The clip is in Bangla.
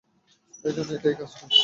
এজন্যই এটায় কাজ হয়।